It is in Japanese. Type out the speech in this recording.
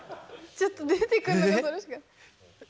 ちょっと出てくるのがそれしかない。